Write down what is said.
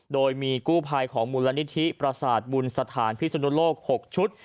โดยมีกู้ภัยของมูลนิธิประสาทบุญสถานพิศนุโลก๖ชุด